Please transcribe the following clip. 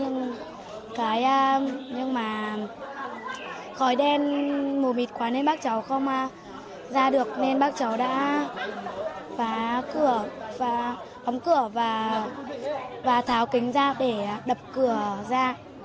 nhưng mà khói đen mù mịt quá nên bác cháu không ra được nên bác cháu đã phá cửa và tháo kính ra để đập cửa ra